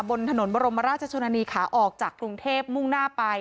บนถนนบรมราชชนนานีขาออกจากกรุงเทพมุ่งหน้าไป